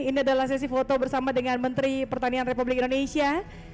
ini adalah sesi foto bersama dengan menteri pertanian republik indonesia